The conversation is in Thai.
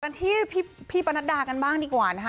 กันที่พี่ปนัดดากันบ้างดีกว่านะคะ